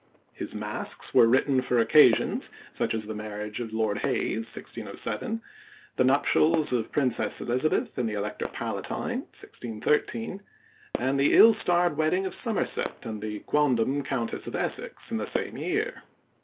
His masques were written for occasions, such as the marriage of Lord Hayes (1607), the nuptials of the Princess Elizabeth and the Elector Palatine (1613), and the ill starred wedding of Somerset and the quondam Countess of Essex in the same year.